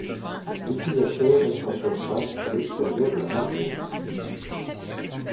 L'utilisateur reste en surface à l'extérieur de la margelle.